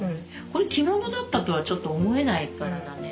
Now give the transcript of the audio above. これ着物だったとはちょっと思えない柄だね。